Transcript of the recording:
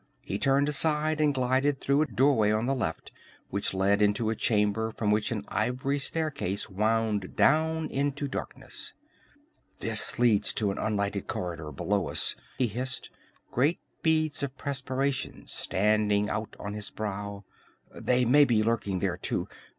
He turned aside and glided through a doorway on the left which led into a chamber from which an ivory staircase wound down into darkness. "This leads to an unlighted corridor below us!" he hissed, great beads of perspiration standing out on his brow. "They may be lurking there, too.